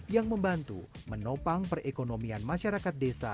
yang membantu menopang perekonomian masyarakat desa